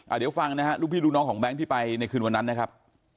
เดี๋ยวฟังนะฮะลูกพี่ลูกน้องของแบงค์ที่ไปในคืนวันนั้นนะครับ